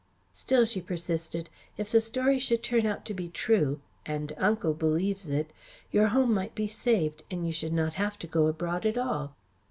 "Still," she persisted, "if the story should turn out to be true and Uncle believes it your home might be saved, and you would not have to go abroad at all."